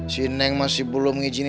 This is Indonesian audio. si neng masih belum ngijin apa